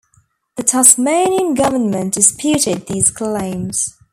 The Tasmanian government disputed these claims.